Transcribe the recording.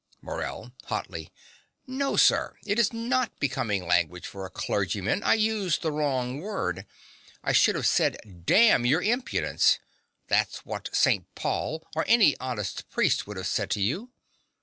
MORELL (hotly). No, sir, it is not becoming language for a clergyman. I used the wrong word. I should have said damn your impudence: that's what St. Paul, or any honest priest would have said to you.